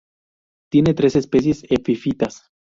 Tiene tres especies epifitas.